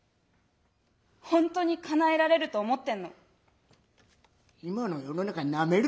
「本当にかなえられると思ってんの？」。